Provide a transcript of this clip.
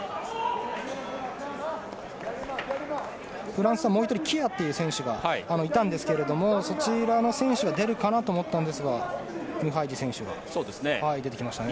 フランスは、もう１人キアという選手がいたんですがそちらの選手が出るかなと思ったんですがムハイジェ選手が出てきましたね。